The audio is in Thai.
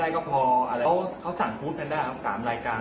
แล้วก็พอเล่ากับเขาก็คอยจับอย่างนี้ครับ